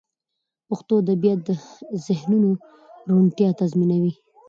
پښتو ادبیات د ذهنونو روڼتیا تضمینوي.